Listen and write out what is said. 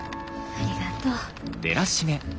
ありがとう。